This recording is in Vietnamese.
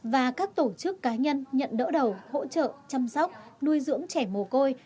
và các tổ chức cá nhân nhận đỡ đầu hỗ trợ chăm sóc nuôi dưỡng trẻ mồ côi